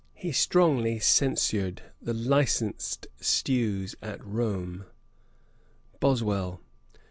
He strongly censured the licensed stews at Rome. BOSWELL.